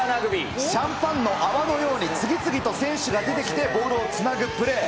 シャンパンの泡のように、次々と選手が出てきて、ボールをつなぐプレー。